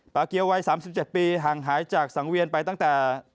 เกียววัย๓๗ปีห่างหายจากสังเวียนไปตั้งแต่